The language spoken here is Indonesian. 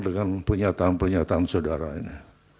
dengan pernyataan pernyataan saudara ini